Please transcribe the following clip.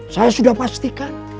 saya sudah pastikan